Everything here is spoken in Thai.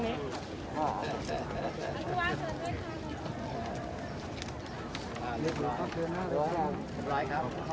พี่พ่อกลับไปชะเทศนะพี่พ่อกลับไปชะเทศนะ